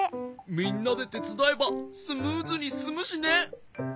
みんなでてつだえばスムーズにすすむしね。